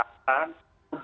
bukti yang sangat nyata